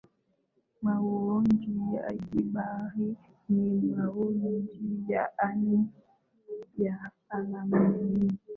mauaji ya kimbari ni mauaji ya aina ya halaiki